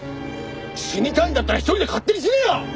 死にたいんだったら一人で勝手に死ねよ！